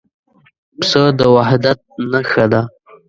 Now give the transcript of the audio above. پسه د وحدت نښه ده.